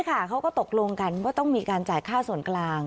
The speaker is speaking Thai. เขาก็ตกลงกันว่าต้องมีการจ่ายค่าส่วนกลาง